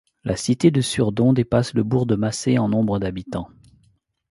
La cité de Surdon dépasse le bourg de Macé en nombre d'habitants.